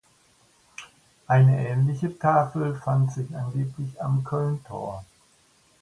Eine ähnliche Tafel fand sich angeblich am Kölntor.